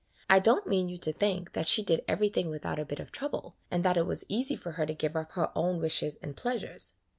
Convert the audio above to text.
I don't mean you to think that she did everything without a bit of trouble, and that it was easy for her to give up her own wishes and pleasures.